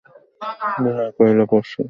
বিনয় কহিল, পরশু রবিবারেই আমি দীক্ষা গ্রহণ করব।